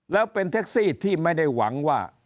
แล้วเป็นแท็กซี่ที่ไม่ได้หวังว่า